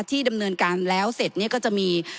ที่ดำเนินการแล้วเสร็จเนี่ยก็จะมี